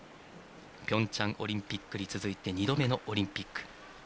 ピョンチャンオリンピックに続いて２度目のオリンピック。